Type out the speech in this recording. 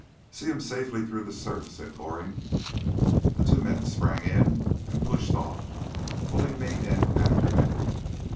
"See him safely through the surf," said Goring. The two men sprang in and pushed off, pulling me in after them.